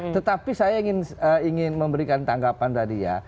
tetapi saya ingin memberikan tanggapan tadi ya